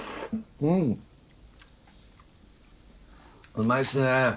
うまいっすね。